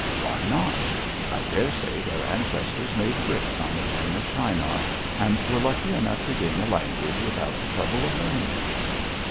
'Why not? I daresay their ancestors made bricks on the plain of Shinar, and were lucky enough to gain a language without the trouble of learning it.'